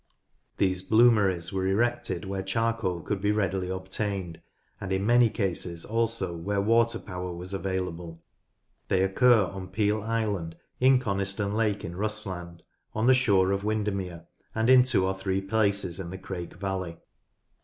These bloomeries were erected where charcoal could be readily obtained, and in many cases also where water power was available. They occur on Peel Island, in Coniston Lake, in Rusland, on the shore of Windermere, and in two or three places in the Crake valley.